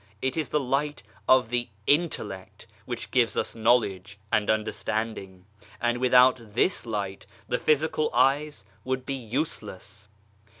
It is the light of the intellect which gives us know ledge and understanding, and without this light the physical eyes would be useless.